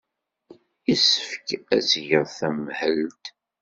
Yessefk ad tgeḍ tamhelt.